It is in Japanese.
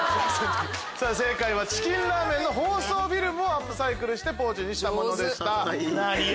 正解はチキンラーメンの包装フィルムをアップサイクルしてポーチにしたものでした。